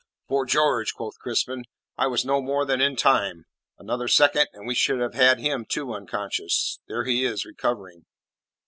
"Fore George," quoth Crispin, "I was no more than in time. Another second, and we should have had him, too, unconscious. There, he is recovering."